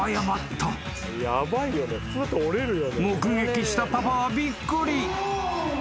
［目撃したパパはびっくり］